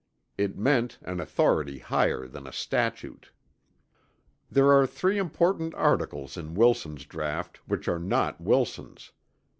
It meant an authority higher than a statute. There are three important articles in Wilson's draught which are not Wilson's.